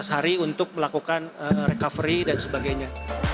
empat belas hari untuk melakukan recovery dan sebagainya